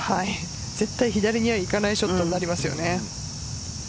絶対、左にはいかないショットになりますよね。